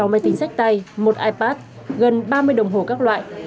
sáu máy tính sách tay một ipad gần ba mươi đồng hồ các loại tài sản